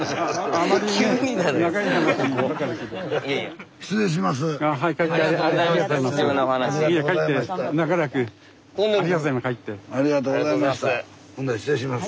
ありがとうございます。